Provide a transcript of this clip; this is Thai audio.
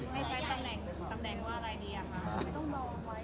ไม่ใช่ตำแหน่งว่าอะไรดี